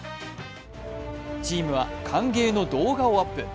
チームは歓迎の動画をアップ。